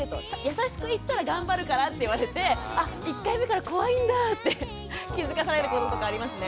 優しく言ったら頑張るからって言われてあっ１回目から怖いんだぁって気付かされることとかありますね。